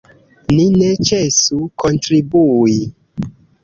Ni ne ĉesu kontribui.